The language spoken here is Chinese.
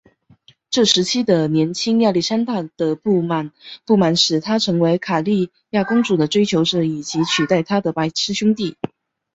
这时期的年轻亚历山大的不满使他成了卡里亚公主的追求者以取代他的白痴兄弟。